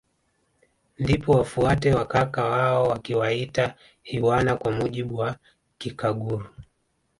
Ndipo wafuate wa kaka wao wakiwaita iwana kwa mujibu wa kikaguru